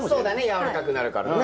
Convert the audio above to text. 柔らかくなるからね。